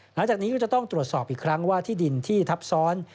หลังจากนี้ก็จะต้องตรวจสอบอีกครั้งว่าที่ดินที่ทับซ้อน